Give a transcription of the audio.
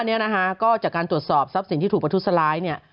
แล้วก็จากการตรวจสอบทรัพย์สิ่งที่ถูกประทุสร้าย